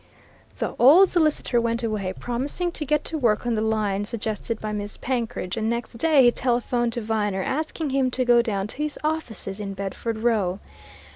The old solicitor went away, promising to get to work on the lines suggested by Miss Penkridge, and next day he telephoned to Viner asking him to go down to his offices in Bedford Row.